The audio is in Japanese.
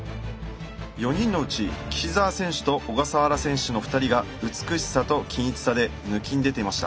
４人のうち岸澤選手と小笠原選手の２人が美しさと均一さでぬきんでていました。